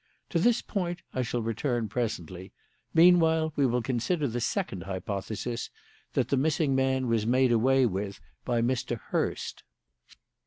To this point I shall return presently; meanwhile we will consider the second hypothesis that the missing man was made away with by Mr. Hurst.